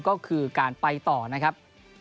ก็คือการไปต่อนะครับ